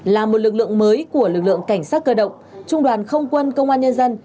là một lực lượng mới của lực lượng cảnh sát cơ động trung đoàn không quân công an nhân dân